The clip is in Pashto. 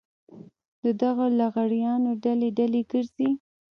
د دغو لغړیانو ډلې ډلې ګرځي.